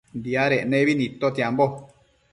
Diadec nebi nidtotiambo